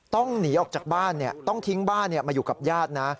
ต้องหนีออกจากบ้านต้องทิ้งบ้านมาอยู่กับญาตินะ